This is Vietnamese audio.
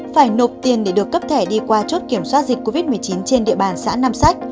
phải nộp tiền để được cấp thẻ đi qua chốt kiểm soát dịch covid một mươi chín trên địa bàn xã nam sách